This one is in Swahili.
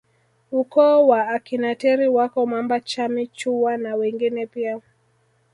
Ukoo wa akina Teri wako Mamba Chami Chuwa na wengine pia